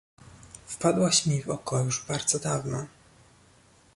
Wpadłaś mi w oko już bardzo dawno.